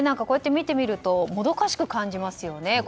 こうやって見てみるともどかしく感じますよね。